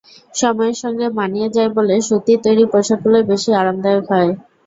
সময়ের সঙ্গে মানিয়ে যায় বলে সুতির তৈরি পোশাকগুলোই বেশি আরামদায়ক হয়।